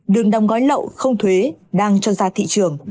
đường đóng gói lậu không thuế đang cho ra thị trường